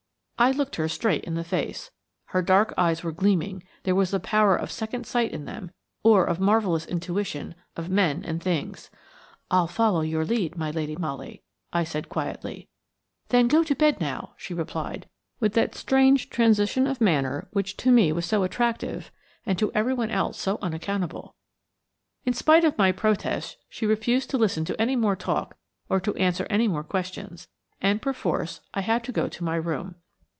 I looked her straight in the face. Her dark eyes were gleaming; there was the power of second sight in them, or of marvelous intuition of "men and things." "I'll follow your lead, my Lady Molly," I said quietly. "Then go to bed now," she replied, with that strange transition of manner which to me was so attractive and to everyone else so unaccountable. In spite of my protest, she refused to listen to any more talk or to answer any more questions, and, perforce, I had to go to my room.